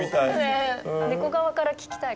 ねえ猫側から聞きたい